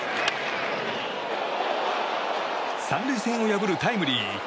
３塁線を破るタイムリー。